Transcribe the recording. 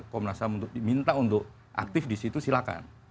komnas ham minta untuk aktif di situ silakan